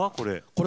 これ。